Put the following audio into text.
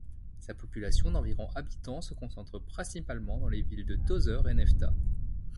Sa population d'environ habitants se concentre principalement dans les villes de Tozeur et Nefta.